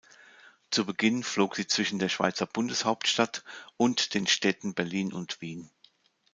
Zu Beginn flog sie zwischen der Schweizer Bundeshauptstadt und den Städten Berlin und Wien.